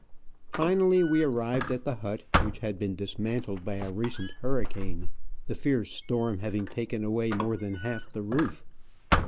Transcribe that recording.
Finally we arrived at the hut, which had been dismantled by a recent hurricane, the fierce storm having taken away more than half the roof.